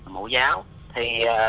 mẫu giáo thì